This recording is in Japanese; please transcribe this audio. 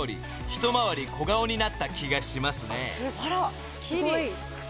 ［一回り小顔になった気がしますね］